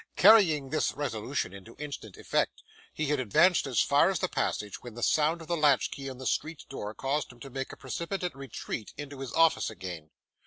Carrying this resolution into instant effect, he had advanced as far as the passage, when the sound of the latch key in the street door caused him to make a precipitate retreat into his own office again.